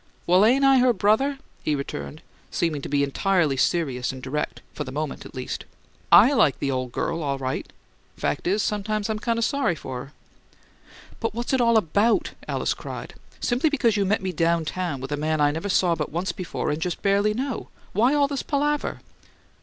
"Well, ain't I her brother?" he returned, seeming to be entirely serious and direct, for the moment, at least. "I like the ole girl all right. Fact is, sometimes I'm kind of sorry for her." "But what's it all ABOUT?" Alice cried. "Simply because you met me down town with a man I never saw but once before and just barely know! Why all this palaver?"